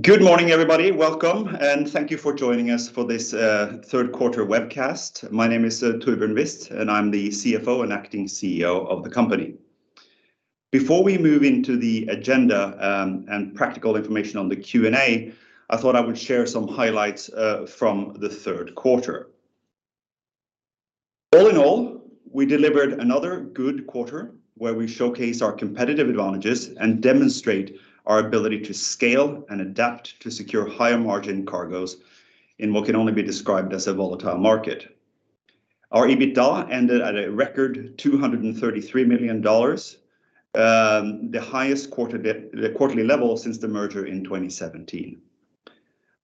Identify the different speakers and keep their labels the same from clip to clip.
Speaker 1: Good morning, everybody. Welcome, and thank you for joining us for this Q3 webcast. My name is Torbjørn Wist, and I'm the CFO and Acting CEO of the company. Before we move into the agenda and practical information on the Q&A, I thought I would share some highlights from the Q3. All in all, we delivered another good quarter where we showcase our competitive advantages and demonstrate our ability to scale and adapt to secure higher margin cargoes in what can only be described as a volatile market. Our EBITDA ended at a record $233 million, the highest quarterly level since the merger in 2017.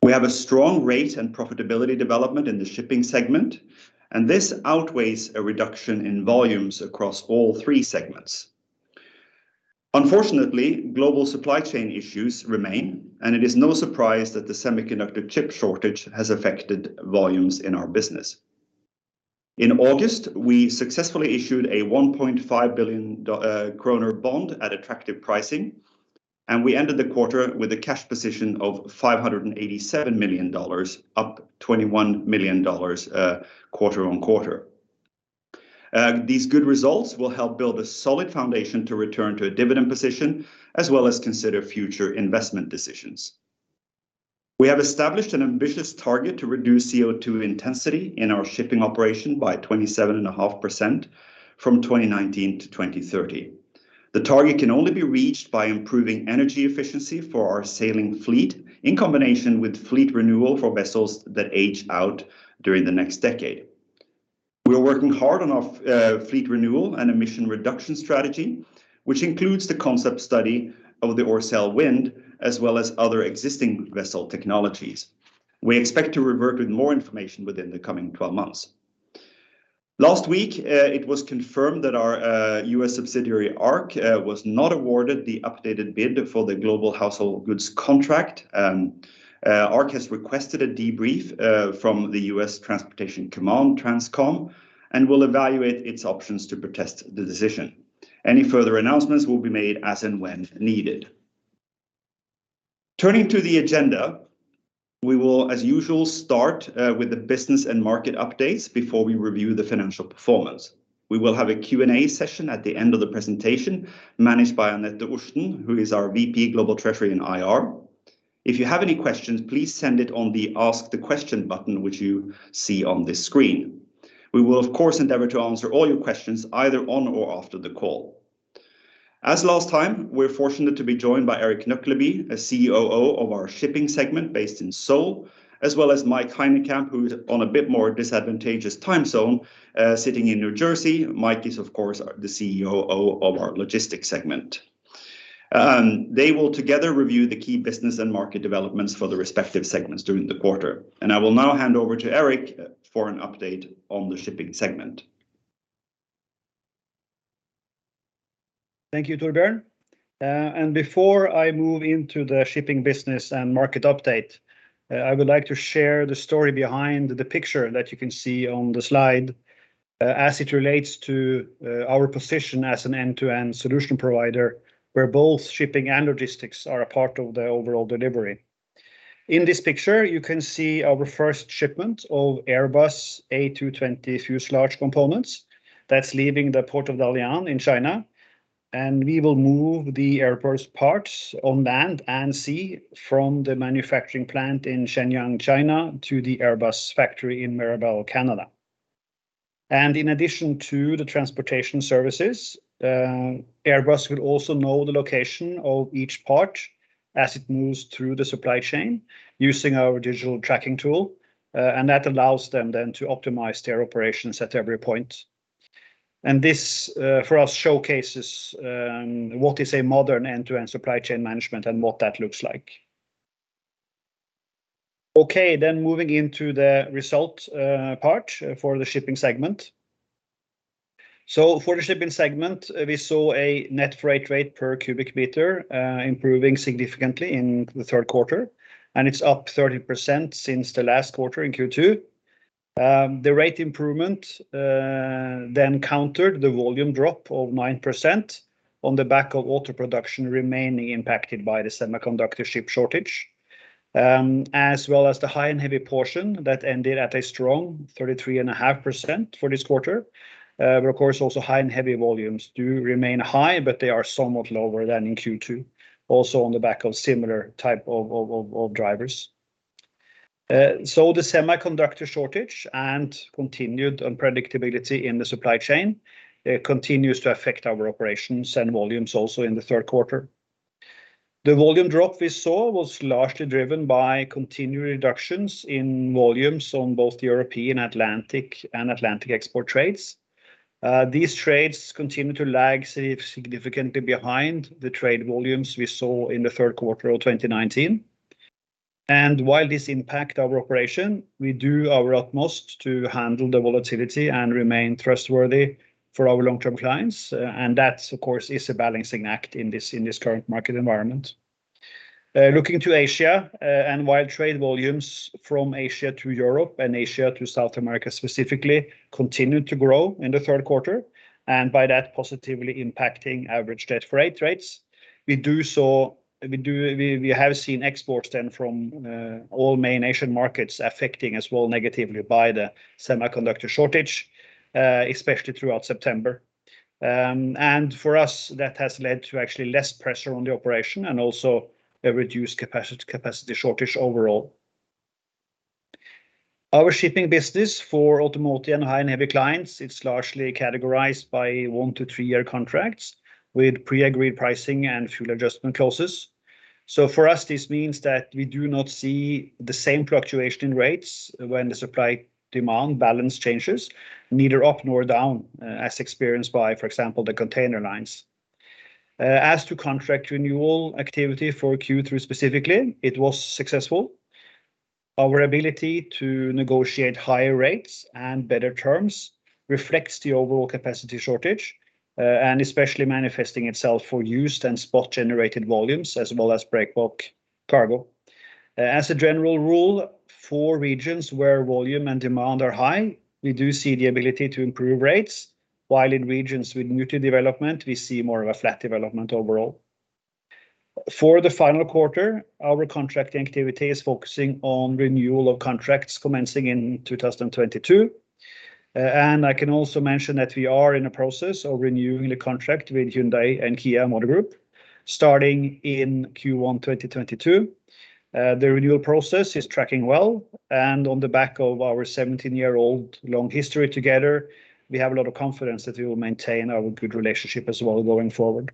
Speaker 1: We have a strong rate and profitability development in the shipping segment, and this outweighs a reduction in volumes across all three segments. Unfortunately, global supply chain issues remain, and it is no surprise that the semiconductor chip shortage has affected volumes in our business. In August, we successfully issued a 1.5 billion kroner bond at attractive pricing, and we ended the quarter with a cash position of $587 million, up $21 million quarter-on-quarter. These good results will help build a solid foundation to return to a dividend position, as well as consider future investment decisions. We have established an ambitious target to reduce CO2 intensity in our shipping operation by 27.5% from 2019 to 2030. The target can only be reached by improving energy efficiency for our sailing fleet in combination with fleet renewal for vessels that age out during the next decade. We are working hard on our fleet renewal and emission reduction strategy, which includes the concept study of the Orcelle Wind, as well as other existing vessel technologies. We expect to revert with more information within the coming 12 months. Last week, it was confirmed that our U.S. subsidiary, ARC, was not awarded the updated bid for the global household goods contract. ARC has requested a debrief from the United States Transportation Command, TRANSCOM, and will evaluate its options to protest the decision. Any further announcements will be made as and when needed. Turning to the agenda, we will as usual start with the business and market updates before we review the financial performance. We will have a Q&A session at the end of the presentation managed by Anette Orsten, who is our VP Global Treasury & IR. If you have any questions, please send it on the Ask the Question button which you see on this screen. We will of course endeavor to answer all your questions either on or after the call. As last time, we're fortunate to be joined by Erik Nøklebye, a COO of our Shipping Services based in Seoul, as well as Mike Hynekamp, who is on a bit more disadvantageous time zone, sitting in New Jersey. Mike is, of course, the COO of our Logistics Services. They will together review the key business and market developments for the respective segments during the quarter. I will now hand over to Erik for an update on the shipping segment.
Speaker 2: Thank you, Torbjørn. Before I move into the shipping business and market update, I would like to share the story behind the picture that you can see on the slide, as it relates to our position as an end-to-end solution provider, where both shipping and logistics are a part of the overall delivery. In this picture, you can see our first shipment of Airbus A220 fuselage large components that's leaving the port of Dalian in China, and we will move the Airbus parts on land and sea from the manufacturing plant in Shenyang, China to the Airbus factory in Mirabel, Canada. In addition to the transportation services, Airbus will also know the location of each part as it moves through the supply chain using our digital tracking tool, and that allows them then to optimize their operations at every point. This, for us, showcases what is a modern end-to-end supply chain management and what that looks like. Okay, moving into the results part for the Shipping Services segment. For the Shipping Services segment, we saw a net freight rate per cubic meter improving significantly in the Q3, and it's up 30% since the last quarter in Q2. The rate improvement then countered the volume drop of 9% on the back of auto production remaining impacted by the semiconductor chip shortage, as well as the high and heavy portion that ended at a strong 33.5% for this quarter. But of course, also high and heavy volumes do remain high, but they are somewhat lower than in Q2, also on the back of similar type of drivers. The semiconductor shortage and continued unpredictability in the supply chain continues to affect our operations and volumes also in the Q3. The volume drop we saw was largely driven by continued reductions in volumes on both European, Atlantic, and Atlantic export trades. These trades continue to lag significantly behind the trade volumes we saw in the Q3 of 2019. While this impact our operation, we do our utmost to handle the volatility and remain trustworthy for our long-term clients, and that, of course, is a balancing act in this current market environment. Looking to Asia, while trade volumes from Asia to Europe and Asia to South America specifically continued to grow in the Q3, and by that positively impacting average dead freight rates. We have seen exports from all main Asian markets affected as well negatively by the semiconductor shortage, especially throughout September. For us, that has led to actually less pressure on the operation and also a reduced capacity shortage overall. Our shipping business for automotive and high and heavy clients is largely categorized by one to three year contracts with pre-agreed pricing and fuel adjustment clauses. For us, this means that we do not see the same fluctuation in rates when the supply-demand balance changes, neither up nor down as experienced by, for example, the container lines. As to contract renewal activity for Q3 specifically, it was successful. Our ability to negotiate higher rates and better terms reflects the overall capacity shortage, and especially manifesting itself for used and spot-generated volumes, as well as break bulk cargo. As a general rule, for regions where volume and demand are high, we do see the ability to improve rates, while in regions with new development, we see more of a flat development overall. For the final quarter, our contracting activity is focusing on renewal of contracts commencing in 2022, and I can also mention that we are in a process of renewing the contract with Hyundai and Kia Motor Group starting in Q1 2022. The renewal process is tracking well, and on the back of our 17-year-long history together, we have a lot of confidence that we will maintain our good relationship as well going forward.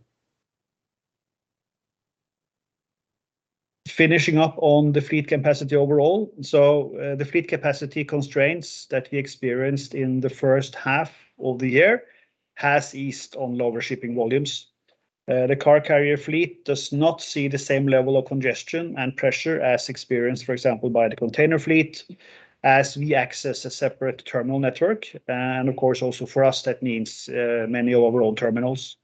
Speaker 2: Finishing up on the fleet capacity overall. The fleet capacity constraints that we experienced in the first half of the year has eased on lower shipping volumes. The car carrier fleet does not see the same level of congestion and pressure as experienced, for example, by the container fleet as we access a separate terminal network, and of course also for us that means many overall terminals.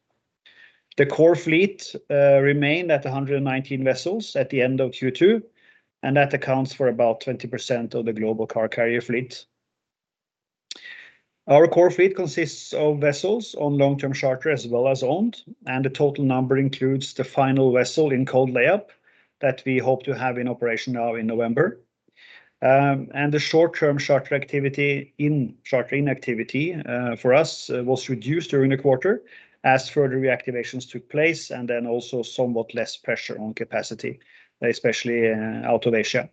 Speaker 2: The core fleet remained at 119 vessels at the end of Q2, and that accounts for about 20% of the global car carrier fleet. Our core fleet consists of vessels on long-term charter as well as owned, and the total number includes the final vessel in cold layup that we hope to have in operation now in November. The short-term charter activity and charter inactivity for us was reduced during the quarter as further reactivations took place and then also somewhat less pressure on capacity, especially out of Asia.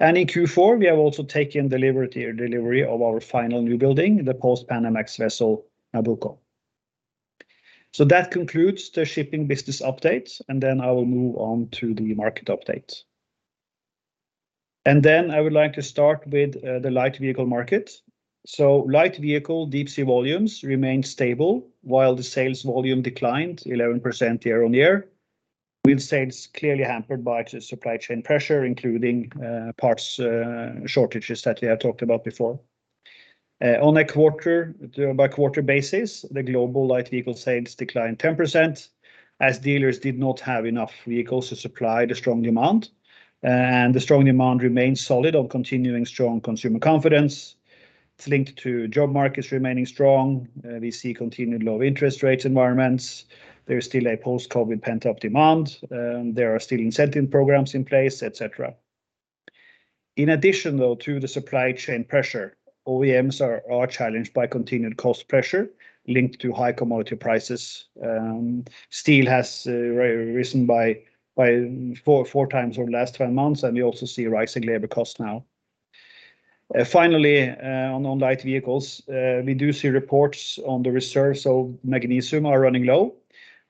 Speaker 2: In Q4, we have also taken delivery of our final newbuilding, the post-Panamax vessel Nabucco. That concludes the shipping business update, and then I will move on to the market update. Then I would like to start with the light vehicle market. Light vehicle deep-sea volumes remained stable while the sales volume declined 11% year-on-year. While sales clearly hampered by the supply chain pressure, including parts shortages that we have talked about before. On a quarter-by-quarter basis, the global light vehicle sales declined 10% as dealers did not have enough vehicles to supply the strong demand, and the strong demand remains solid on continuing strong consumer confidence. It's linked to job markets remaining strong. We see continued low interest rates environments. There is still a post-COVID pent-up demand. There are still incentive programs in place, et cetera. In addition though to the supply chain pressure, OEMs are challenged by continued cost pressure linked to high commodity prices. Steel has risen by 4 times over the last 12 months, and we also see rising labor costs now. Finally, on light vehicles, we do see reports on the reserves of magnesium are running low,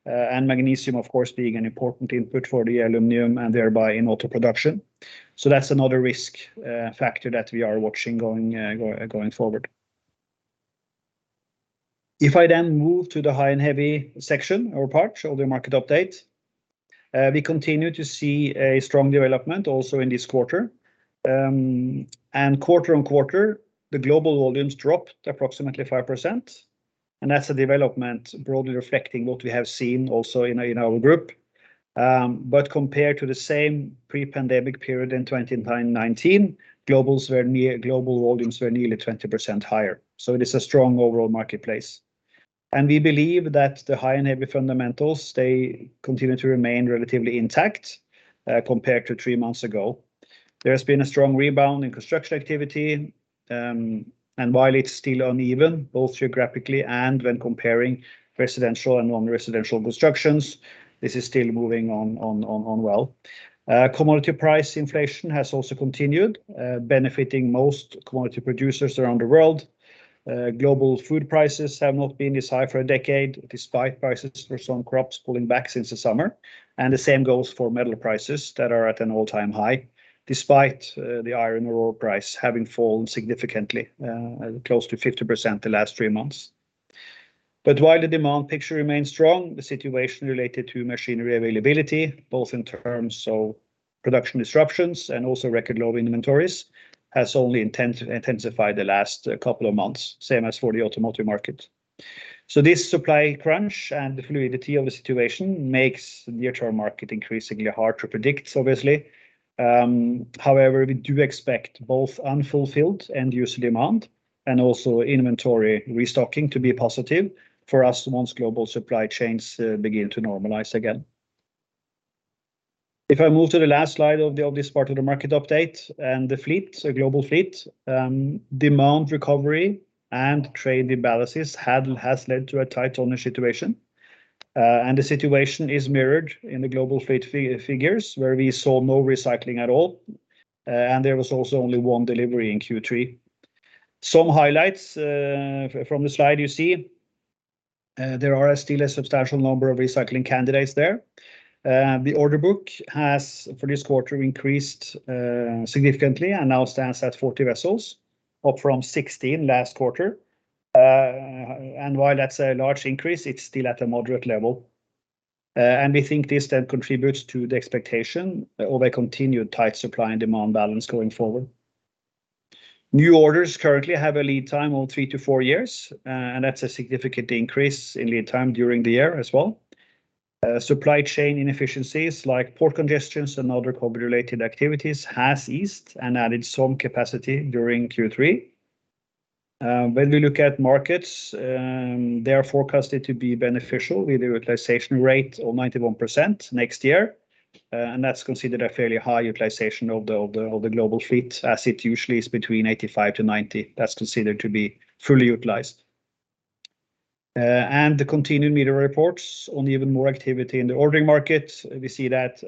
Speaker 2: and magnesium of course being an important input for the aluminum and thereby in auto production. That's another risk factor that we are watching going forward. If I then move to the high and heavy section or part of the market update, we continue to see a strong development also in this quarter. Quarter-over-quarter, the global volumes dropped approximately 5%, and that's a development broadly reflecting what we have seen also in our group. Compared to the same pre-pandemic period in 2019, global volumes were nearly 20% higher. It is a strong overall marketplace. We believe that the high and heavy fundamentals they continue to remain relatively intact compared to three months ago. There has been a strong rebound in construction activity, and while it's still uneven, both geographically and when comparing residential and non-residential constructions, this is still moving on well. Commodity price inflation has also continued, benefiting most commodity producers around the world. Global food prices have not been this high for a decade, despite prices for some crops pulling back since the summer. The same goes for metal prices that are at an all-time high, despite the iron ore price having fallen significantly close to 50% the last three months. While the demand picture remains strong, the situation related to machinery availability, both in terms of production disruptions and also record low inventories has only intensified the last couple of months, same as for the automotive market. This supply crunch and the fluidity of the situation makes the near-term market increasingly hard to predict, obviously. However, we do expect both unfulfilled end user demand and also inventory restocking to be positive for us once global supply chains begin to normalize again. If I move to the last slide of this part of the market update and the fleet, the global fleet, demand recovery and trade imbalances has led to a tight owner situation. The situation is mirrored in the global fleet figures where we saw no recycling at all, and there was also only one delivery in Q3. Some highlights from the slide you see, there are still a substantial number of recycling candidates there. The order book has, for this quarter, increased significantly and now stands at 40 vessels, up from 16 last quarter. While that's a large increase, it's still at a moderate level. We think this then contributes to the expectation of a continued tight supply and demand balance going forward. New orders currently have a lead time of three-four years, and that's a significant increase in lead time during the year as well. Supply chain inefficiencies like port congestions and other COVID-related activities has eased and added some capacity during Q3. When we look at markets, they are forecasted to be beneficial with a utilization rate of 91% next year, and that's considered a fairly high utilization of the global fleet, as it usually is between 85-90. That's considered to be fully utilized. The continued media reports on even more activity in the ordering market, we see that,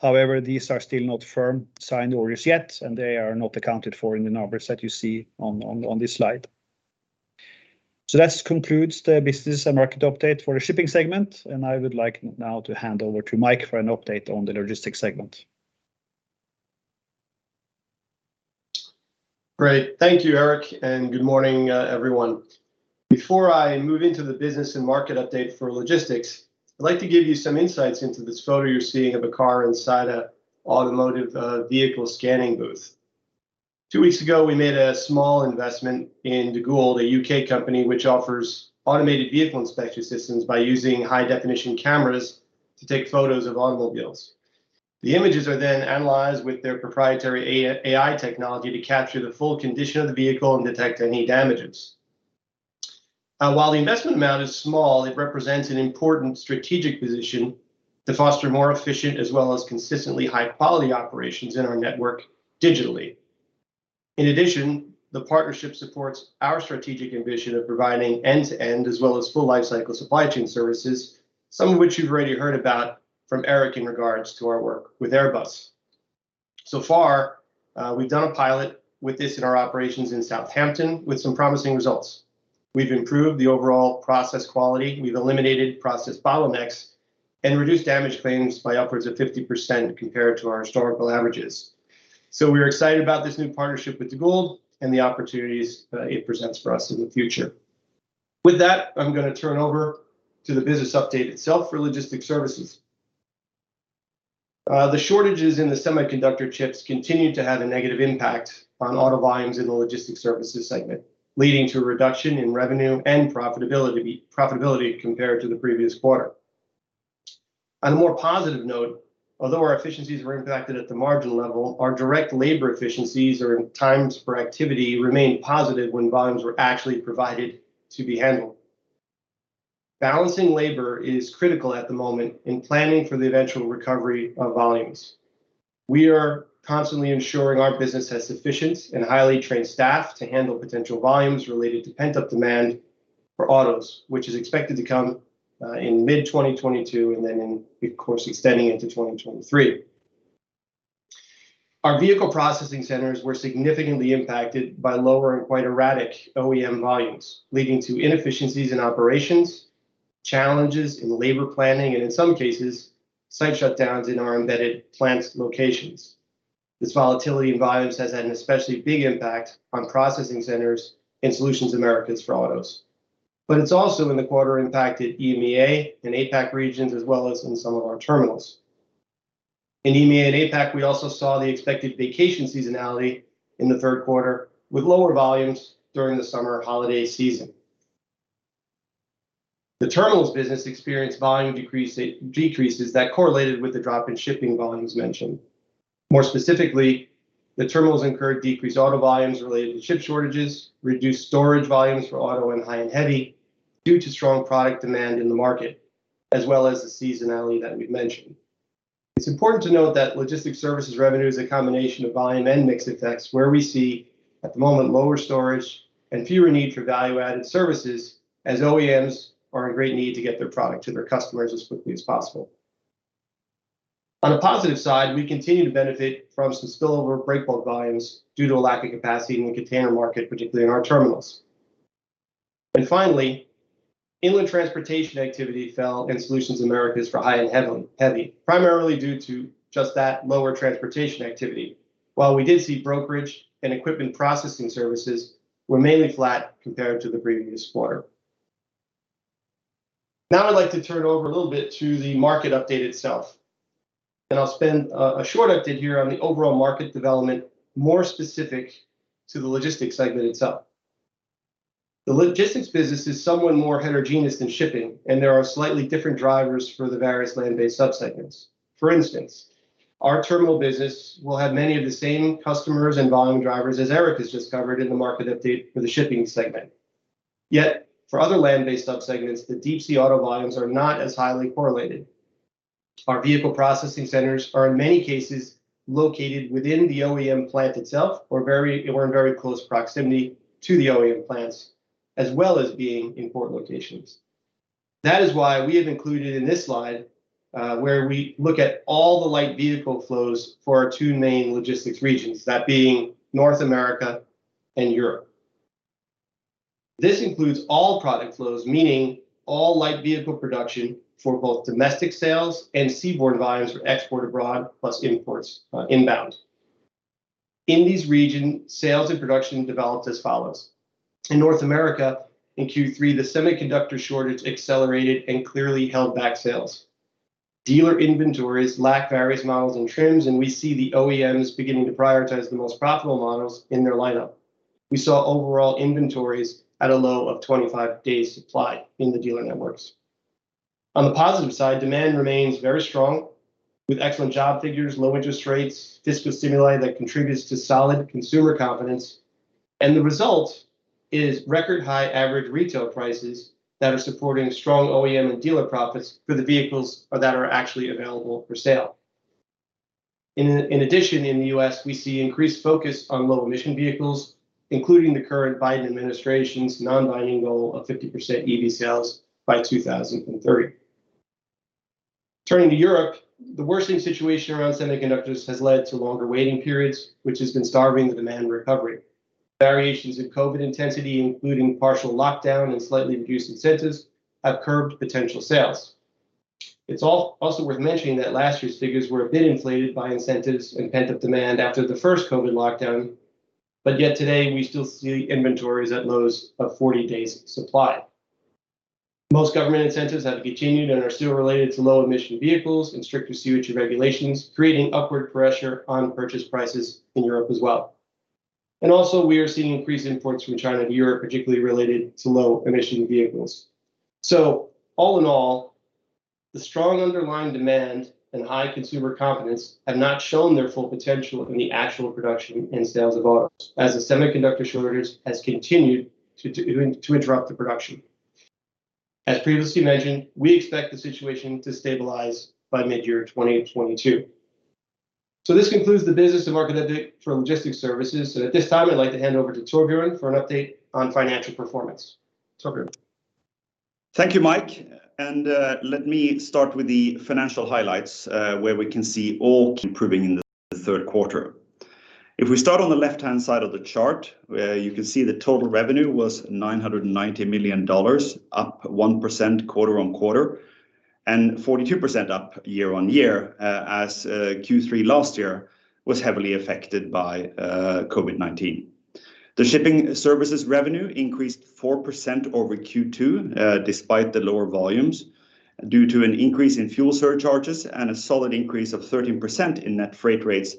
Speaker 2: however, these are still not firm signed orders yet, and they are not accounted for in the numbers that you see on this slide. This concludes the business and market update for the Shipping Services segment, and I would like now to hand over to Mike for an update on the Logistics Services segment.
Speaker 3: Great. Thank you, Erik, and good morning, everyone. Before I move into the business and market update for logistics, I'd like to give you some insights into this photo you're seeing of a car inside an automotive vehicle scanning booth. Two weeks ago, we made a small investment in DeGould, a U.K. company which offers automated vehicle inspection systems by using high-definition cameras to take photos of automobiles. The images are then analyzed with their proprietary AI technology to capture the full condition of the vehicle and detect any damages. While the investment amount is small, it represents an important strategic position to foster more efficient as well as consistently high-quality operations in our network digitally. In addition, the partnership supports our strategic ambition of providing end-to-end as well as full lifecycle supply chain services, some of which you've already heard about from Erik in regards to our work with Airbus. So far, we've done a pilot with this in our operations in Southampton with some promising results. We've improved the overall process quality, we've eliminated process bottlenecks, and reduced damage claims by upwards of 50% compared to our historical averages. We're excited about this new partnership with DeGould and the opportunities that it presents for us in the future. With that, I'm gonna turn over to the business update itself for Logistics Services. The shortages in the semiconductor chips continued to have a negative impact on auto volumes in the Logistics Services segment, leading to a reduction in revenue and profitability compared to the previous quarter. On a more positive note, although our efficiencies were impacted at the margin level, our direct labor efficiencies or times for activity remained positive when volumes were actually provided to be handled. Balancing labor is critical at the moment in planning for the eventual recovery of volumes. We are constantly ensuring our business has sufficient and highly trained staff to handle potential volumes related to pent-up demand for autos, which is expected to come in mid-2022 and then, of course, extending into 2023. Our vehicle processing centers were significantly impacted by lower and quite erratic OEM volumes, leading to inefficiencies in operations, challenges in labor planning, and in some cases, site shutdowns in our embedded plant locations. This volatility in volumes has had an especially big impact on processing centers and Solutions Americas for autos. It's also in the quarter impacted EMEA and APAC regions, as well as in some of our terminals. In EMEA and APAC, we also saw the expected vacation seasonality in the Q3 with lower volumes during the summer holiday season. The terminals business experienced volume decreases that correlated with the drop in shipping volumes mentioned. More specifically, the terminals incurred decreased auto volumes related to chip shortages, reduced storage volumes for auto and high and heavy due to strong product demand in the market, as well as the seasonality that we've mentioned. It's important to note that Logistics Services revenue is a combination of volume and mix effects, where we see at the moment lower storage and fewer need for value-added services as OEMs are in great need to get their product to their customers as quickly as possible. On a positive side, we continue to benefit from some spillover break bulk volumes due to a lack of capacity in the container market, particularly in our terminals. Finally, inland transportation activity fell in Solutions Americas for high and heavy, primarily due to just that lower transportation activity. While we did see brokerage and equipment processing services were mainly flat compared to the previous quarter. Now I'd like to turn over a little bit to the market update itself, and I'll spend a short update here on the overall market development, more specific to the logistics segment itself. The logistics business is somewhat more heterogeneous than shipping, and there are slightly different drivers for the various land-based subsegments. For instance, our terminal business will have many of the same customers and volume drivers as Erik has just covered in the market update for the shipping segment. Yet for other land-based subsegments, the deep sea auto volumes are not as highly correlated. Our vehicle processing centers are in many cases located within the OEM plant itself, or in very close proximity to the OEM plants, as well as being in port locations. That is why we have included in this slide where we look at all the light vehicle flows for our two main logistics regions, that being North America and Europe. This includes all product flows, meaning all light vehicle production for both domestic sales and seaboard volumes for export abroad, plus imports inbound. In these regions, sales and production developed as follows. In North America, in Q3, the semiconductor shortage accelerated and clearly held back sales. Dealer inventories lack various models and trims, and we see the OEMs beginning to prioritize the most profitable models in their lineup. We saw overall inventories at a low of 25 days supply in the dealer networks. On the positive side, demand remains very strong with excellent job figures, low interest rates, fiscal stimuli that contributes to solid consumer confidence. The result is record high average retail prices that are supporting strong OEM and dealer profits for the vehicles that are actually available for sale. In addition, in the U.S., we see increased focus on low emission vehicles, including the current Biden administration's non-binding goal of 50% EV sales by 2030. Turning to Europe, the worsening situation around semiconductors has led to longer waiting periods, which has been starving the demand recovery. Variations of COVID intensity, including partial lockdown and slightly reduced incentives, have curbed potential sales. It's also worth mentioning that last year's figures were a bit inflated by incentives and pent-up demand after the first COVID lockdown, but yet today we still see inventories at lows of 40 days supply. Most government incentives have continued and are still related to low emission vehicles and stricter CO2 regulations, creating upward pressure on purchase prices in Europe as well. Also, we are seeing increased imports from China to Europe, particularly related to low emission vehicles. All in all, the strong underlying demand and high consumer confidence have not shown their full potential in the actual production and sales of autos as the semiconductor shortage has continued to interrupt the production. As previously mentioned, we expect the situation to stabilize by mid year-2022. This concludes the business and market update for Logistics Services. At this time, I'd like to hand over to Torbjørn for an update on financial performance. Torbjørn.
Speaker 1: Thank you, Mike. Let me start with the financial highlights, where we can see all improving in the Q3. If we start on the left-hand side of the chart, you can see the total revenue was $990 million, up 1% quarter-on-quarter, and 42% year-on-year, as Q3 last year was heavily affected by COVID-19. The Shipping Services revenue increased 4% over Q2, despite the lower volumes, due to an increase in fuel surcharges and a solid increase of 13% in net freight rates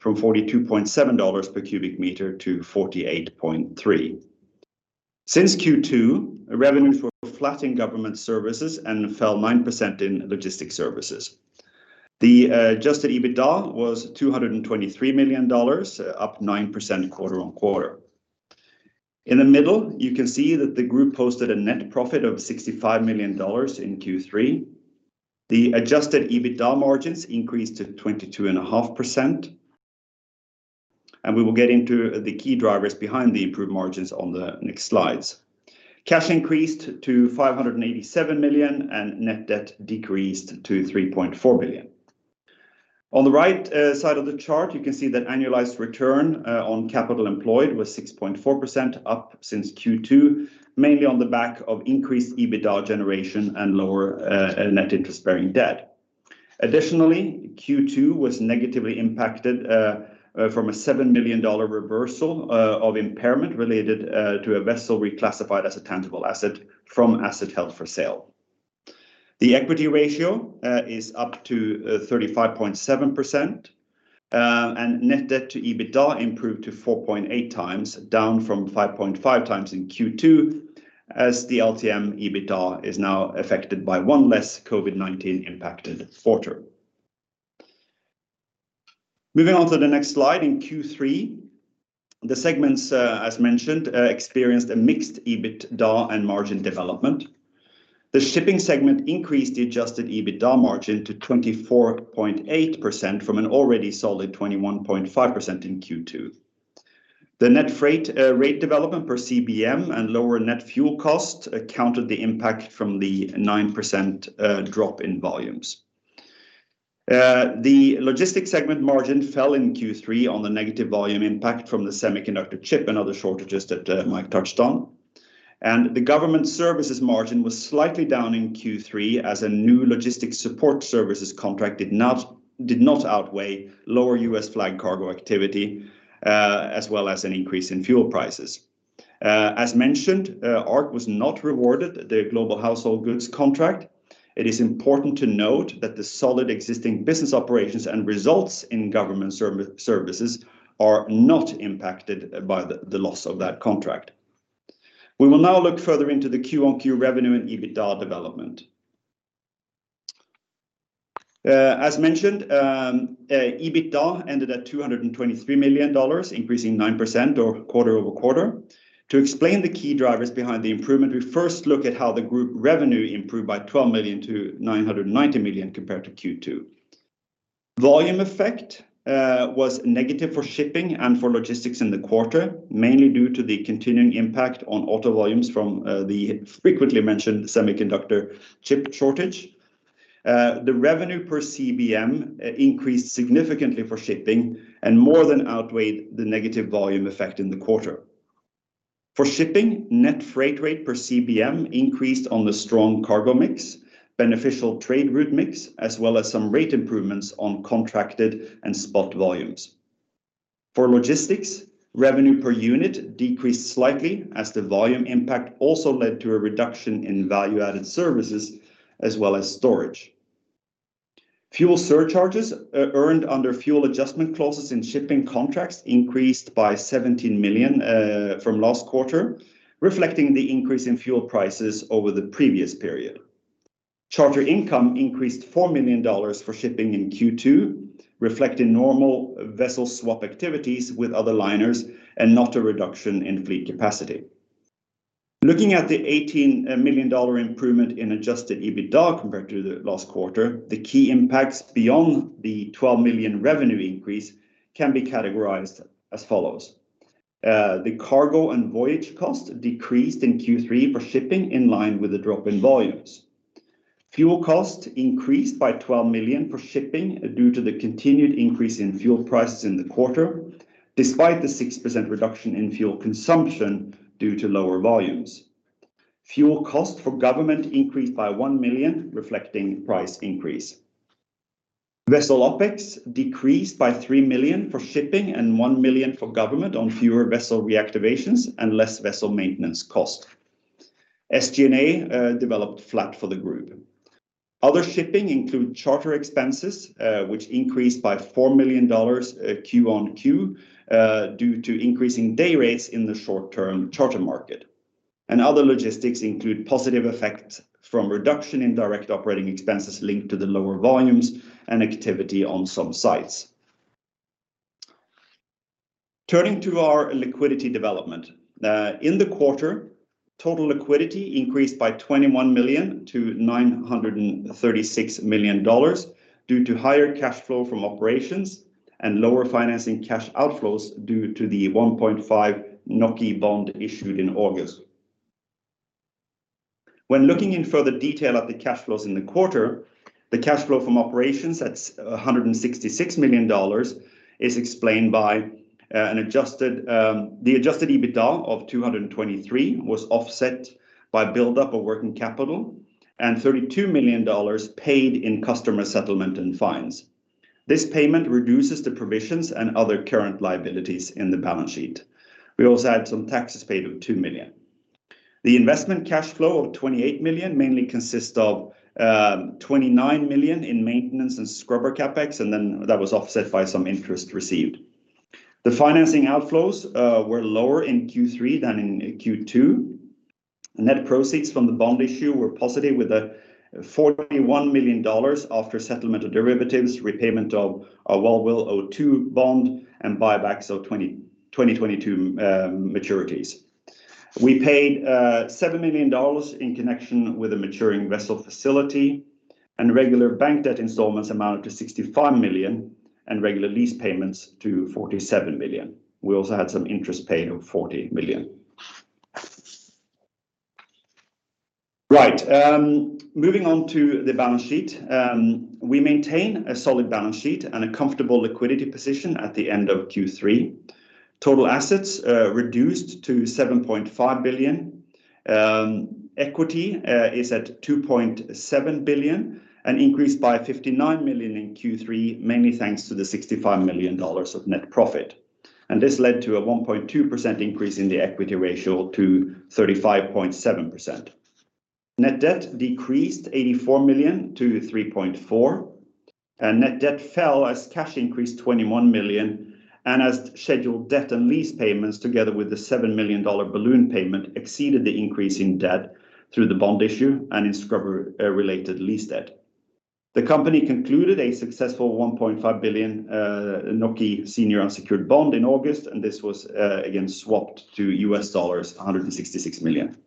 Speaker 1: from $42.7 per cubic meter to $48.3. Since Q2, revenue flat in Government Services and fell 9% in Logistics Services. The Adjusted EBITDA was $223 million, up 9% quarter-on-quarter. In the middle, you can see that the group posted a net profit of $65 million in Q3. The Adjusted EBITDA margins increased to 22.5%, and we will get into the key drivers behind the improved margins on the next slides. Cash increased to $587 million, and net debt decreased to $3.4 billion. On the right side of the chart, you can see that annualized return on capital employed was 6.4% up since Q2, mainly on the back of increased EBITDA generation and lower net interest-bearing debt. Additionally, Q2 was negatively impacted from a $7 million reversal of impairment related to a vessel reclassified as a tangible asset from asset held for sale. The equity ratio is up to 35.7%. Net debt to EBITDA improved to 4.8x, down from 5.5x in Q2, as the LTM EBITDA is now affected by one less COVID-19 impacted quarter. Moving on to the next slide, in Q3, the segments, as mentioned, experienced a mixed EBITDA and margin development. The Shipping segment increased the Adjusted EBITDA margin to 24.8% from an already solid 21.5% in Q2. The net freight rate development per CBM and lower net fuel cost countered the impact from the 9% drop in volumes. The Logistics segment margin fell in Q3 on the negative volume impact from the semiconductor chip and other shortages that Mike touched on. The Government Services margin was slightly down in Q3 as a new logistic support services contract did not outweigh lower U.S. flag cargo activity, as well as an increase in fuel prices. As mentioned, ARC was not rewarded the global household goods contract. It is important to note that the solid existing business operations and results in Government Services are not impacted by the loss of that contract. We will now look further into the quarter-over-quarter revenue and EBITDA development. As mentioned, EBITDA ended at $223 million, increasing 9% quarter-over-quarter. To explain the key drivers behind the improvement, we first look at how the group revenue improved by $12 million to $990 million compared to Q2. Volume effect was negative for shipping and for logistics in the quarter, mainly due to the continuing impact on auto volumes from the frequently mentioned semiconductor chip shortage. The revenue per CBM increased significantly for shipping and more than outweighed the negative volume effect in the quarter. For shipping, net freight rate per CBM increased on the strong cargo mix, beneficial trade route mix, as well as some rate improvements on contracted and spot volumes. For logistics, revenue per unit decreased slightly as the volume impact also led to a reduction in value-added services as well as storage. Fuel surcharges earned under fuel adjustment clauses in shipping contracts increased by $17 million from last quarter, reflecting the increase in fuel prices over the previous period. Charter income increased $4 million for shipping in Q2, reflecting normal vessel swap activities with other liners and not a reduction in fleet capacity. Looking at the $18 million improvement in Adjusted EBITDA compared to the last quarter, the key impacts beyond the $12 million revenue increase can be categorized as follows. The cargo and voyage cost decreased in Q3 for shipping in line with the drop in volumes. Fuel costs increased by $12 million for shipping due to the continued increase in fuel prices in the quarter, despite the 6% reduction in fuel consumption due to lower volumes. Fuel costs for government increased by $1 million, reflecting price increase. Vessel OpEx decreased by $3 million for shipping and $1 million for government on fewer vessel reactivations and less vessel maintenance cost. SG&A developed flat for the group. Other shipping include charter expenses, which increased by $4 million, Q-on-Q, due to increasing day rates in the short-term charter market. Other logistics include positive effects from reduction in direct operating expenses linked to the lower volumes and activity on some sites. Turning to our liquidity development. In the quarter, total liquidity increased by $21 million-$936 million due to higher cash flow from operations and lower financing cash outflows due to the 1.5 billion NOK bond issued in August. When looking in further detail at the cash flows in the quarter, the cash flow from operations at $166 million is explained by the Adjusted EBITDA of $223 million, which was offset by buildup of working capital and $32 million paid in customer settlement and fines. This payment reduces the provisions and other current liabilities in the balance sheet. We also had some taxes paid of $2 million. The investment cash flow of $28 million mainly consist of $29 million in maintenance and scrubber CapEx, and then that was offset by some interest received. The financing outflows were lower in Q3 than in Q2. Net proceeds from the bond issue were positive with $41 million after settlement of derivatives, repayment of a WALWIL02 bond, and buybacks of 2020, 2022 maturities. We paid $7 million in connection with a maturing vessel facility, and regular bank debt installments amounted to $65 million, and regular lease payments to $47 million. We also had some interest paid of $40 million. Right. Moving on to the balance sheet. We maintain a solid balance sheet and a comfortable liquidity position at the end of Q3. Total assets reduced to $7.5 billion. Equity is at $2.7 billion, and increased by $59 million in Q3, mainly thanks to the $65 million of net profit. This led to a 1.2% increase in the equity ratio to 35.7%. Net debt decreased $84 million-$3.4 billion, and net debt fell as cash increased $21 million, and as scheduled debt and lease payments, together with the $7 million balloon payment, exceeded the increase in debt through the bond issue and in scrubber related lease debt. The company concluded a successful 1.5 billion senior unsecured bond in August, and this was again swapped to US dollars, $166 million.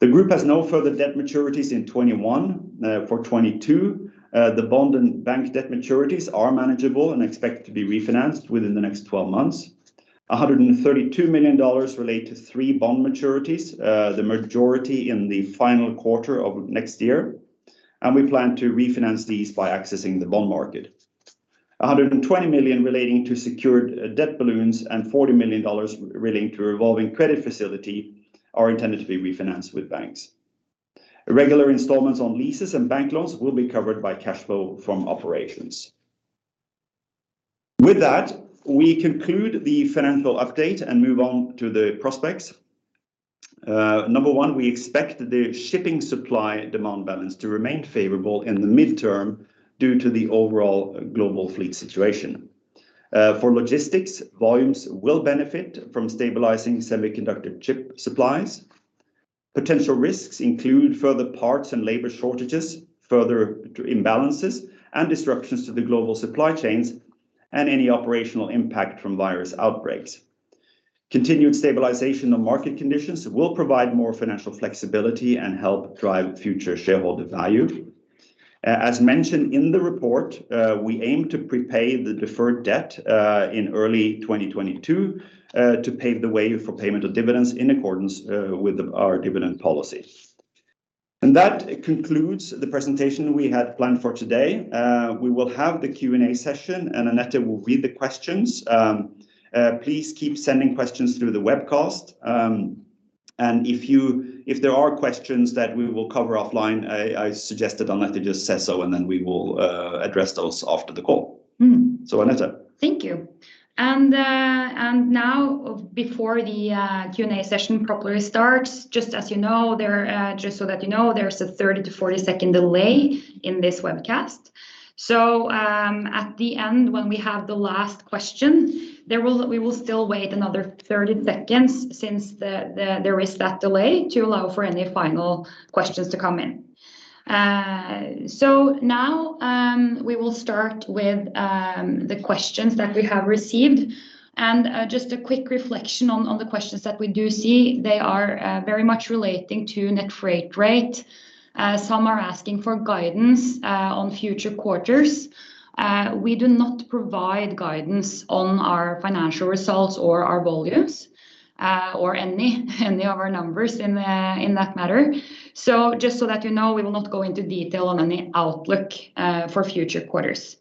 Speaker 1: The group has no further debt maturities in 2021. For 2022, the bond and bank debt maturities are manageable and expect to be refinanced within the next 12 months. $132 million relate to three bond maturities, the majority in the final quarter of next year, and we plan to refinance these by accessing the bond market. $120 million relating to secured debt balloons and $40 million relating to revolving credit facility are intended to be refinanced with banks. Regular installments on leases and bank loans will be covered by cash flow from operations. With that, we conclude the financial update and move on to the prospects. Number one, we expect the shipping supply demand balance to remain favorable in the midterm due to the overall global fleet situation. For logistics, volumes will benefit from stabilizing semiconductor chip supplies. Potential risks include further parts and labor shortages, further imbalances and disruptions to the global supply chains, and any operational impact from virus outbreaks. Continued stabilization of market conditions will provide more financial flexibility and help drive future shareholder value. As mentioned in the report, we aim to prepay the deferred debt in early 2022 to pave the way for payment of dividends in accordance with our dividend policy. That concludes the presentation we had planned for today. We will have the Q&A session, and Anette will read the questions. Please keep sending questions through the webcast. If there are questions that we will cover offline, I suggest that Anette just say so, and then we will address those after the call.
Speaker 4: Mm.
Speaker 1: Anette.
Speaker 4: Thank you. Now before the Q&A session properly starts, just as you know, there are, just so that you know, there's a 30-40 second delay in this webcast. At the end, when we have the last question, we will still wait another 30 seconds since there is that delay to allow for any final questions to come in. We will start with the questions that we have received. Just a quick reflection on the questions that we do see, they are very much relating to net freight rate. Some are asking for guidance on future quarters. We do not provide guidance on our financial results or our volumes, or any of our numbers in that matter. Just so that you know, we will not go into detail on any outlook for future quarters.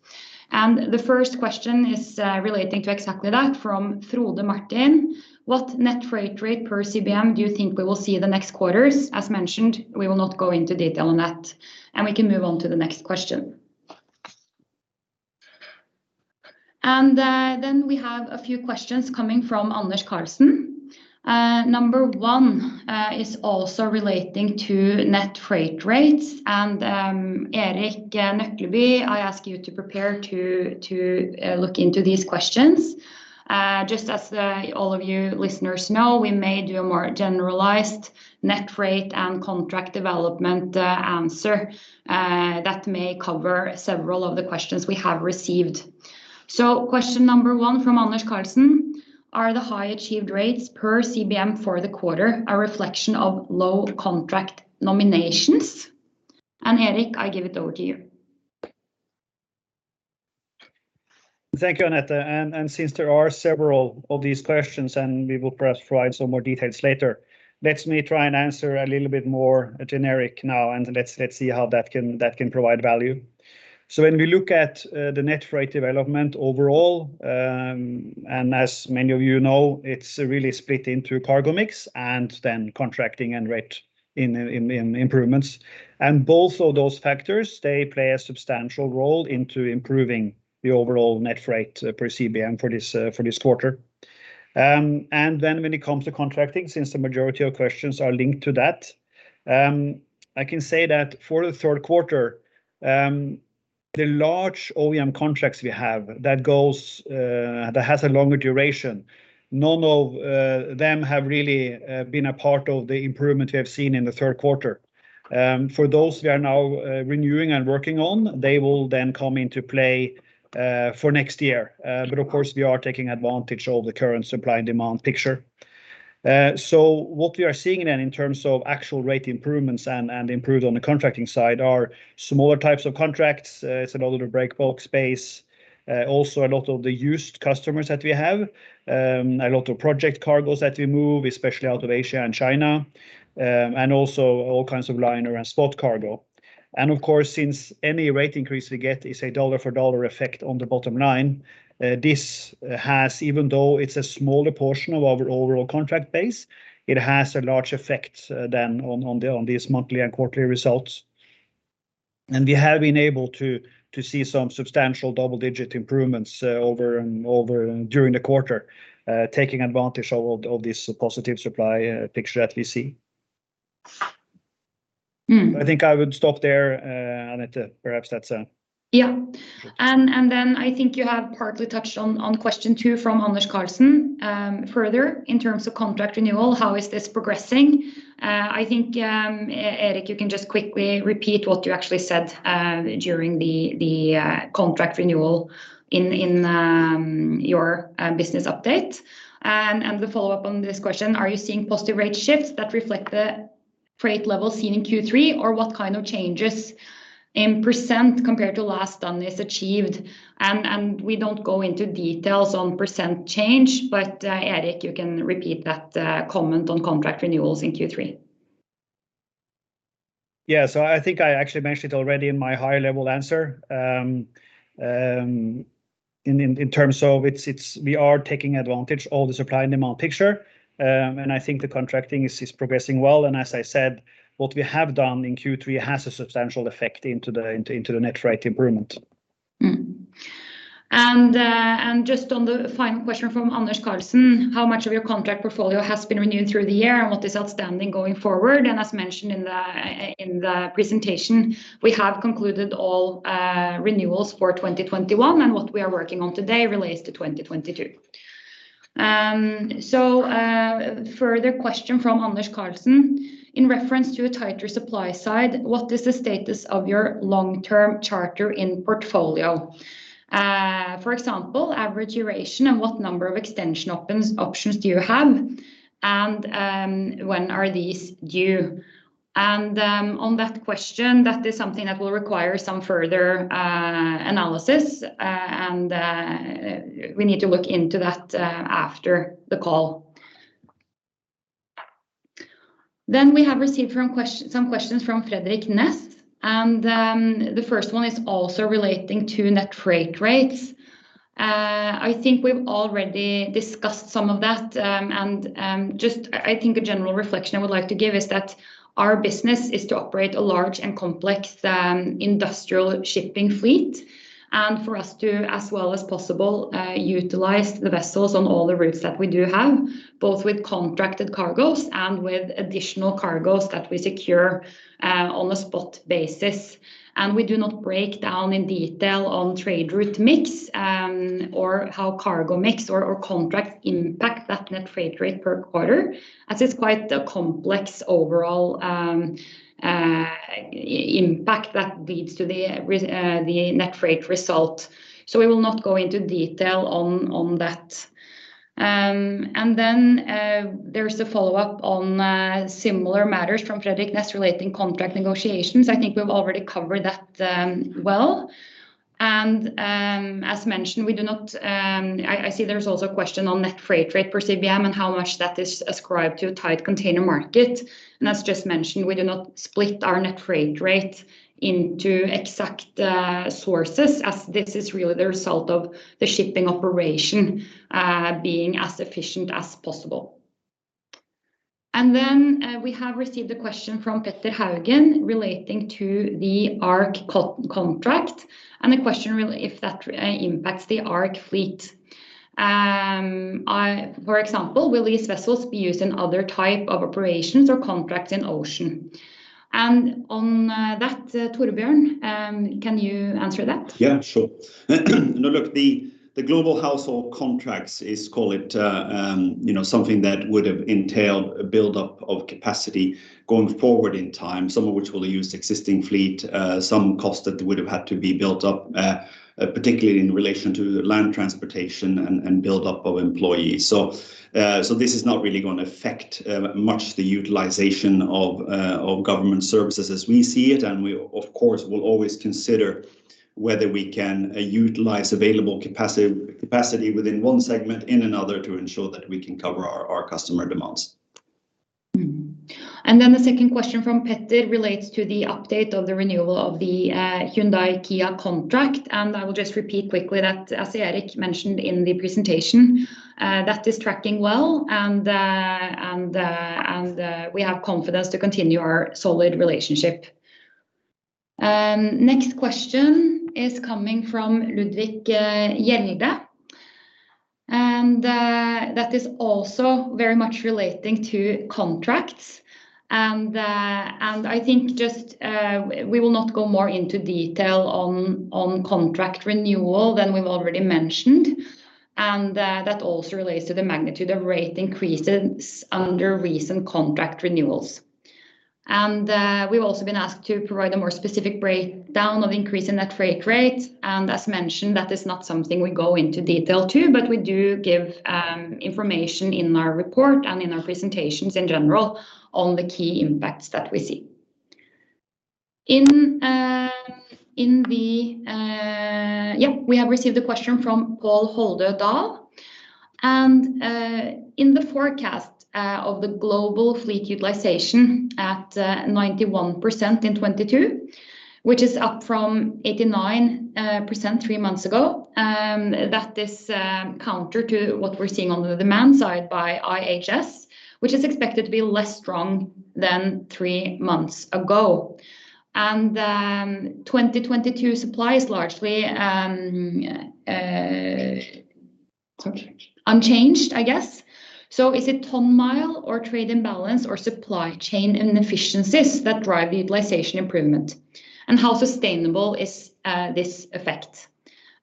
Speaker 4: The first question is relating to exactly that from Frode Mørkedal. What net freight rate per CBM do you think we will see the next quarters? As mentioned, we will not go into detail on that, and we can move on to the next question. We have a few questions coming from Anders Redigh Karlsen. Number one is also relating to net freight rates. Erik Nøklebye, I ask you to prepare to look into these questions. Just as all of you listeners know, we may do a more generalized net rate and contract development answer that may cover several of the questions we have received. Question number one from Anders Redigh Karlsen, are the high achieved rates per CBM for the quarter a reflection of low contract nominations? Erik Nøklebye, I give it over to you.
Speaker 2: Thank you, Anette. Since there are several of these questions, and we will perhaps provide some more details later, let me try and answer a little bit more generic now, and let's see how that can provide value. When we look at the net freight development overall, and as many of you know, it's really split into cargo mix and then contracting and rate in improvements. Both of those factors play a substantial role into improving the overall net freight per CBM for this quarter. When it comes to contracting, since the majority of questions are linked to that, I can say that for the Q3, the large OEM contracts we have that has a longer duration, none of them have really been a part of the improvement we have seen in the Q3. For those we are now renewing and working on, they will then come into play for next year. Of course, we are taking advantage of the current supply and demand picture. What we are seeing then in terms of actual rate improvements and improved on the contracting side are smaller types of contracts. It's a lot of the break bulk space, also a lot of the used customers that we have, a lot of project cargoes that we move, especially out of Asia and China, and also all kinds of liner and spot cargo. Of course, since any rate increase we get is a dollar for dollar effect on the bottom line, this has, even though it's a smaller portion of our overall contract base, it has a large effect than on these monthly and quarterly results. We have been able to see some substantial double-digit improvements, over and over during the quarter, taking advantage of this positive supply picture that we see.
Speaker 4: Mm.
Speaker 2: I think I would stop there, Anette. Perhaps that's
Speaker 4: Yeah. Then I think you have partly touched on question two from Anders Redigh Karlsen further in terms of contract renewal, how is this progressing? I think Erik Nøklebye you can just quickly repeat what you actually said during the contract renewal in your business update. The follow-up on this question, are you seeing positive rate shifts that reflect the freight levels seen in Q3, or what kind of changes in percent compared to last done is achieved? We don't go into details on % change, but Erik Nøklebye you can repeat that comment on contract renewals in Q3.
Speaker 2: Yeah. I think I actually mentioned already in my high level answer, in terms of it's, we are taking advantage of the supply and demand picture. I think the contracting is progressing well. As I said, what we have done in Q3 has a substantial effect into the net rate improvement.
Speaker 4: Just on the final question from Anders Redigh Karlsen, how much of your contract portfolio has been renewed through the year and what is outstanding going forward? As mentioned in the presentation, we have concluded all renewals for 2021, and what we are working on today relates to 2022. Further question from Anders Redigh Karlsen, in reference to a tighter supply side, what is the status of your long-term charter in portfolio? For example, average duration and what number of extension opens, options do you have, and when are these due? On that question, that is something that will require some further analysis. We need to look into that after the call. We have received some questions from Fredrik Ness. The first one is also relating to net freight rates. I think we've already discussed some of that. Just I think a general reflection I would like to give is that our business is to operate a large and complex industrial shipping fleet, and for us to, as well as possible, utilize the vessels on all the routes that we do have, both with contracted cargoes and with additional cargoes that we secure on a spot basis. We do not break down in detail on trade route mix, or how cargo mix or contract impact that net freight rate per quarter, as it's quite a complex overall impact that leads to the net freight result. We will not go into detail on that. There is a follow-up on similar matters from Fredrik Ness relating to contract negotiations. I think we've already covered that, well. As mentioned, I see there's also a question on net freight rate per CBM and how much that is ascribed to a tight container market. As just mentioned, we do not split our net freight rate into exact sources, as this is really the result of the shipping operation being as efficient as possible. We have received a question from Petter Haugen relating to the ARC contract and the question really if that impacts the ARC fleet. For example, will these vessels be used in other type of operations or contracts in ocean? On that, Torbjørn, can you answer that?
Speaker 1: Yeah, sure. Now look, the global household contracts is call it, you know, something that would have entailed a buildup of capacity going forward in time, some of which will use existing fleet, some cost that would have had to be built up, particularly in relation to land transportation and buildup of employees. So this is not really going to affect much the utilization of Government Services as we see it. We of course will always consider whether we can utilize available capacity within one segment in another to ensure that we can cover our customer demands.
Speaker 4: Then the second question from Petter relates to the update of the renewal of the Hyundai Kia contract. I will just repeat quickly that as Erik mentioned in the presentation, that is tracking well and we have confidence to continue our solid relationship. Next question is coming from Ludvig Jende. That is also very much relating to contracts and I think just we will not go more into detail on contract renewal than we've already mentioned. That also relates to the magnitude of rate increases under recent contract renewals. We've also been asked to provide a more specific breakdown of increase in net freight rates. As mentioned, that is not something we go into detail to, but we do give information in our report and in our presentations in general on the key impacts that we see. We have received a question from Pål Holderdal. In the forecast of the global fleet utilization at 91% in 2022, which is up from 89% three months ago, that is counter to what we're seeing on the demand side by IHS, which is expected to be less strong than three months ago. 2022 supply is largely unchanged, I guess. Is it ton mile or trade imbalance or supply chain inefficiencies that drive the utilization improvement? How sustainable is this effect?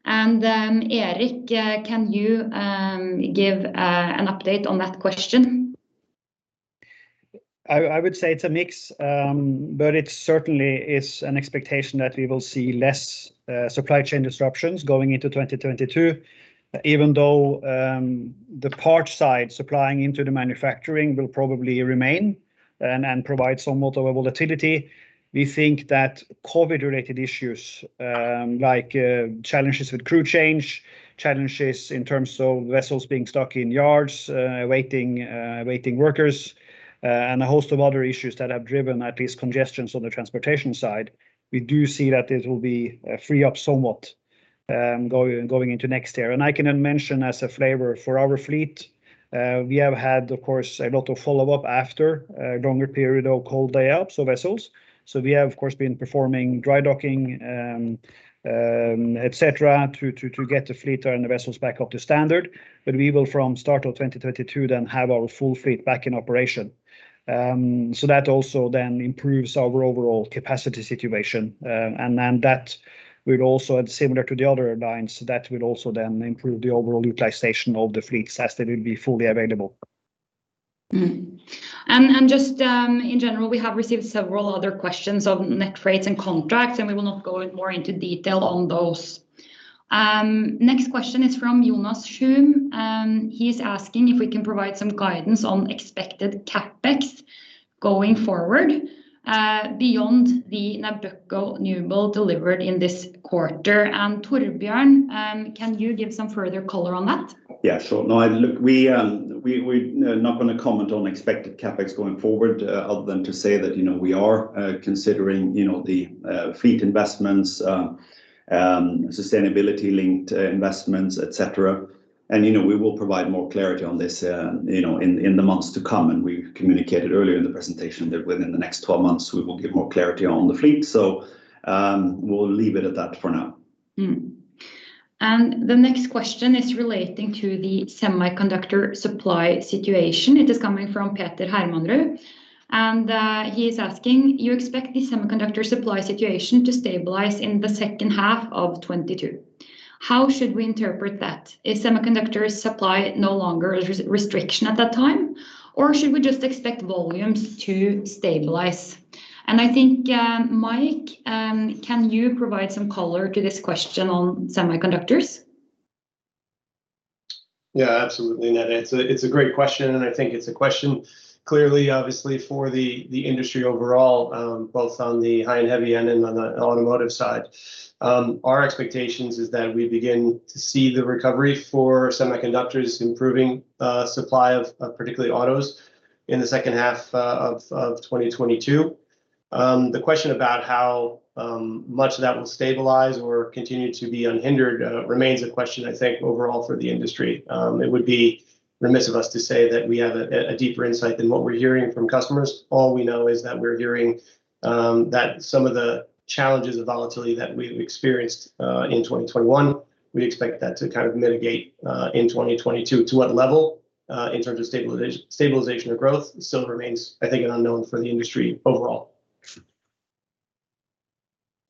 Speaker 4: Erik, can you give an update on that question?
Speaker 2: I would say it's a mix, but it certainly is an expectation that we will see less supply chain disruptions going into 2022, even though the part side supplying into the manufacturing will probably remain and provide some more volatility. We think that COVID related issues, like challenges with crew changes, challenges in terms of vessels being stuck in yards waiting workers, and a host of other issues that have driven at least congestions on the transportation side. We do see that it will be freeing up somewhat going into next year. I can mention as a flavor for our fleet, we have had, of course, a lot of follow-up after a longer period of cold lay-up, so vessels. We have of course been performing dry docking, et cetera, to get the fleet and the vessels back up to standard. We will from start of 2022 then have our full fleet back in operation. That also then improves our overall capacity situation. That will also add similar to the other lines. That will also then improve the overall utilization of the fleet as they will be fully available.
Speaker 4: In general, we have received several other questions on net rates and contracts, and we will not go more into detail on those. Next question is from Jonas Shum. He is asking if we can provide some guidance on expected CapEx going forward, beyond the Nabucco newbuild delivered in this quarter. Torbjørn, can you give some further color on that?
Speaker 1: Yeah, sure. No, look, we not gonna comment on expected CapEx going forward, other than to say that, you know, we are considering, you know, the fleet investments, sustainability linked investments, et cetera. You know, we will provide more clarity on this, you know, in the months to come. We communicated earlier in the presentation that within the next 12 months we will give more clarity on the fleet. We'll leave it at that for now.
Speaker 4: The next question is relating to the semiconductor supply situation. It is coming from Petter Hermanrud. He is asking, you expect the semiconductor supply situation to stabilize in the H2 of 2022. How should we interpret that? Is semiconductors supply no longer a restriction at that time, or should we just expect volumes to stabilize? I think, Mike, can you provide some color to this question on semiconductors?
Speaker 3: Yeah, absolutely, Anette. It's a great question, and I think it's a question clearly, obviously, for the industry overall, both on the high and heavy end and on the automotive side. Our expectations is that we begin to see the recovery for semiconductors improving, supply of particularly autos in the H2 of 2022. The question about how much of that will stabilize or continue to be unhindered remains a question, I think, overall for the industry. It would be remiss of us to say that we have a deeper insight than what we're hearing from customers. All we know is that we're hearing that some of the challenges of volatility that we experienced in 2021, we expect that to kind of mitigate in 2022. To what level, in terms of stabilization or growth still remains, I think, an unknown for the industry overall.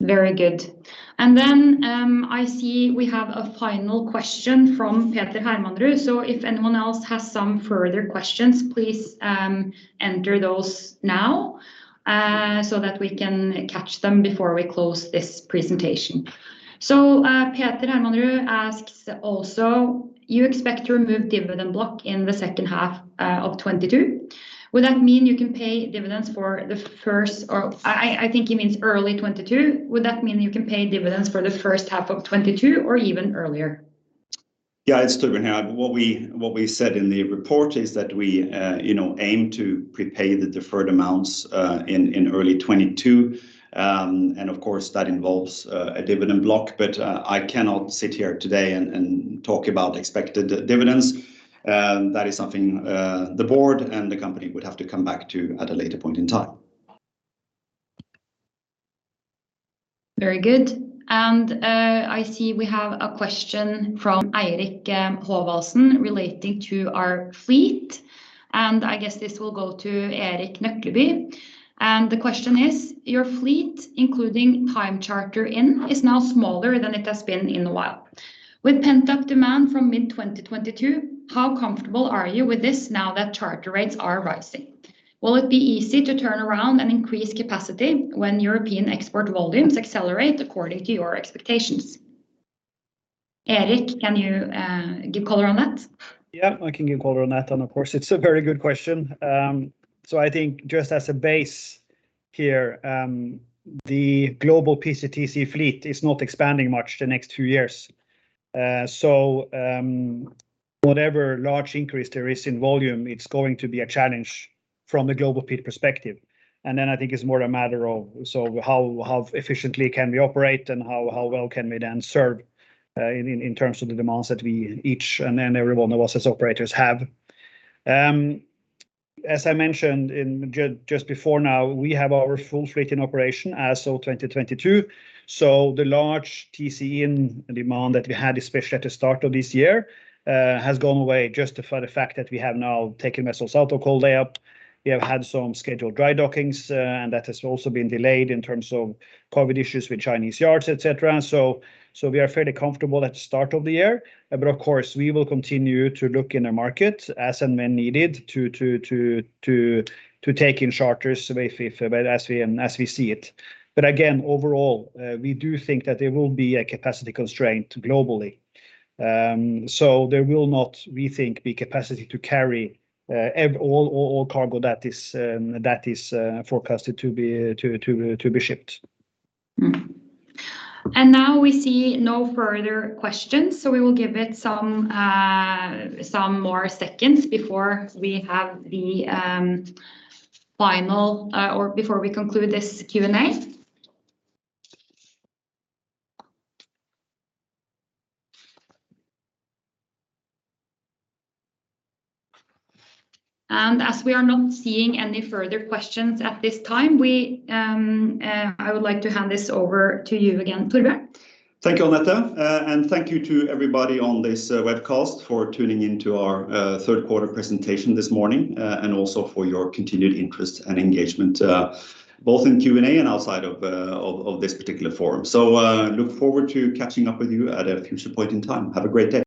Speaker 4: Very good. I see we have a final question from Petter Hermanrud. If anyone else has some further questions, please enter those now so that we can catch them before we close this presentation. Petter Hermanrud asks also, you expect to remove dividend block in the H2 of 2022. Would that mean you can pay dividends for the first half of 2022 or even earlier? Or I think he means early 2022.
Speaker 1: Yeah, it's Torbjørn here. What we said in the report is that we, you know, aim to prepay the deferred amounts in early 2022. Of course, that involves a dividend block. I cannot sit here today and talk about expected dividends. That is something the board and the company would have to come back to at a later point in time.
Speaker 4: Very good. I see we have a question from Eirik Haavaldsen relating to our fleet, and I guess this will go to Erik Nøklebye. The question is, your fleet, including time charter in, is now smaller than it has been in a while. With pent-up demand from mid-2022, how comfortable are you with this now that charter rates are rising? Will it be easy to turn around and increase capacity when European export volumes accelerate according to your expectations? Erik, can you give color on that?
Speaker 2: Yeah, I can give color on that. Of course, it's a very good question. I think just as a base here, the global PCTC fleet is not expanding much the next few years. Whatever large increase there is in volume, it's going to be a challenge from a global fleet perspective. I think it's more a matter of, how efficiently can we operate and how well can we then serve, in terms of the demands that we each and every one of us as operators have. As I mentioned just before now, we have our full fleet in operation as of 2022. The large TC-in in demand that we had, especially at the start of this year, has gone away just for the fact that we have now taken vessels out of cold lay up. We have had some scheduled dry dockings, and that has also been delayed in terms of COVID issues with Chinese yards, et cetera. We are fairly comfortable at the start of the year. Of course, we will continue to look in the market as and when needed to take in charters if, as we see it. Again, overall, we do think that there will be a capacity constraint globally. There will not, we think, be capacity to carry all cargo that is forecasted to be shipped.
Speaker 4: Now we see no further questions, so we will give it some more seconds before we conclude this Q&A. As we are not seeing any further questions at this time, I would like to hand this over to you again, Torbjørn.
Speaker 1: Thank you, Anette. Thank you to everybody on this webcast for tuning into our Q3 presentation this morning, and also for your continued interest and engagement, both in Q&A and outside of this particular forum. Look forward to catching up with you at a future point in time. Have a great day.